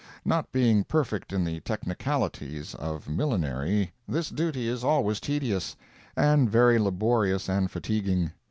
Not being perfect in the technicalities of millinery, this duty is always tedious, and very laborious and fatiguing.